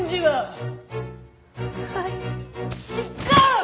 はい